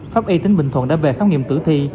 pháp y tỉnh bình thuận đã về khám nghiệm tử thi